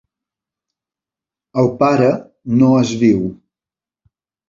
El pare no és viu.